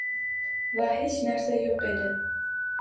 Va hech narsa yo'q edi.